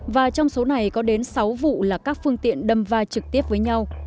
và trong số này có đến sáu vụ là các phương tiện đâm vai trực tiếp với nhau